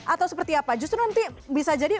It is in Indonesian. atau seperti apa justru nanti bisa jadi